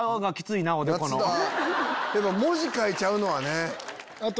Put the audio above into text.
文字書いちゃうのはね。